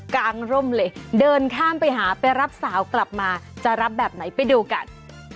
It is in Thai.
กลางร่มเลยเดินข้ามไปหาไปรับสาวกลับมาจะรับแบบไหนไปดูกัน